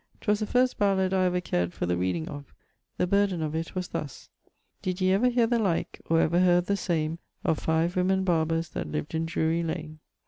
'Twas the first ballad I ever cared for the reading of: the burden of it was thus: Did yee ever heare the like Or ever heard the same Of five woemen barbers That lived in Drewry lane?